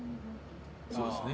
そうですね。